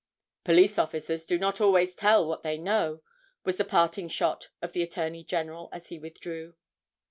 "Police officers do not always tell what they know," was the parting shot of the Attorney General as he withdrew.